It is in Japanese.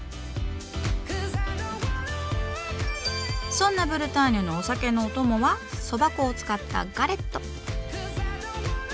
そんなブルターニュのお酒のオトモはそば粉を使った「ガレット」。